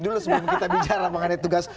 dulu sebelum kita bicara mengenai tugas